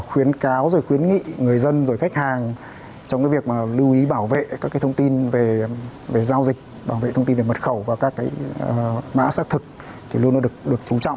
hay ngân hàng để được hỗ trợ